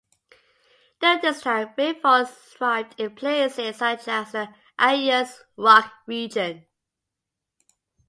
During this time rainforest thrived in places such as the Ayers Rock region.